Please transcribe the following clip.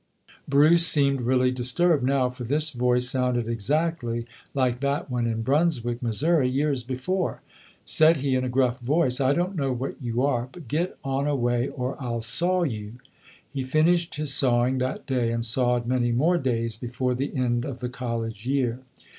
Bruce seemed really disturbed now, for this voice sounded exactly like that one in Brunswick, Missouri, years before. Said he in a gruff voice, "I don't know what you are, but get on away or 120 ] UNSUNG HEROES I'll saw you". He finished his sawing that day and sawed many more days before the end of the college year.